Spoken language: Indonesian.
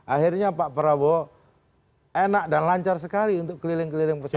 akhirnya pak prabowo enak dan lancar sekali untuk keliling keliling pesantren